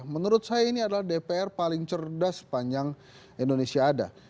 menurut saya ini adalah dpr paling cerdas sepanjang indonesia ada